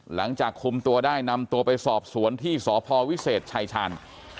หลังจากคุมตัวได้นำตัวไปสอบสวนที่สพวิเศษชายชาญ